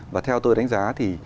và theo tôi đánh giá thì